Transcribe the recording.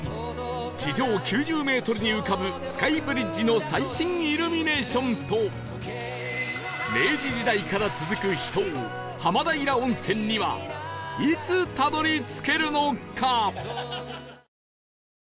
地上９０メートルに浮かぶスカイブリッジの最新イルミネーションと明治時代から続く秘湯浜平温泉にはいつたどり着けるのか？